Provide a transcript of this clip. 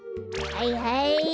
はいはい！